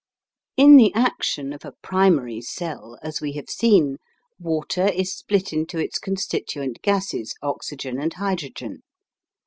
In the action of a primary cell, as we have seen, water is split into its constituent gases, oxygen and hydrogen.